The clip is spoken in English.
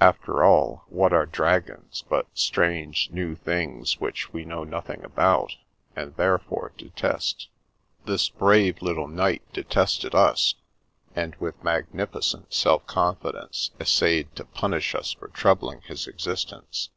After all, what are dragons but strange, new things which we know nothing about and therefore detest? This brave little knight de tested us, and with magnificent self confidence es sayed to punish us for troubling his existence.